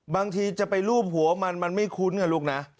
บางทีจะไปรูปหัวมันมันไม่คุ้นไงลูกนะ